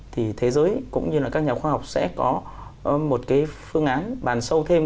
thì thế giới cũng như là các nhà khoa học sẽ có một cái phương án bàn sâu thêm